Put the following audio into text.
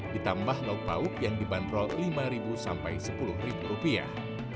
ditambah lauk bauk yang dibanderol lima ribu sampai sepuluh ribu rupiah